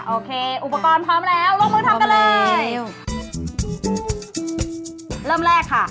โอเคอุปกรณ์พร้อมแล้วลงมือทำกันเลย